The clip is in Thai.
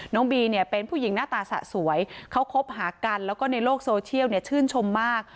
บีเนี่ยเป็นผู้หญิงหน้าตาสะสวยเขาคบหากันแล้วก็ในโลกโซเชียลเนี่ยชื่นชมมาก